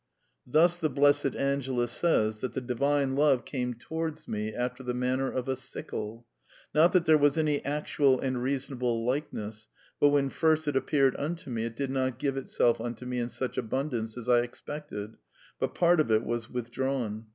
Thus the Blessed Angela says that the Divine Love ^^came towards me after the manner of a sickle. Not that there was any actual and reasonable likeness, but when first it appeared unto me it did not give itself unto me in such abundance as I expected, but part of it was vnthdrawn.